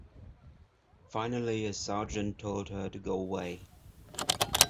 Finally a sergeant told her to go away.